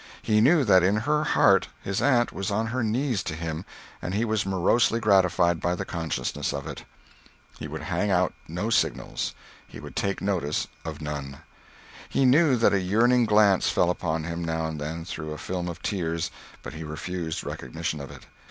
He knew that in her heart his aunt was on her knees to him, and he was morosely gratified by the consciousness of it. He would hang out no signals, he would take notice of none. He knew that a yearning glance fell upon him, now and then, through a film of tears, but he refused recognition of it.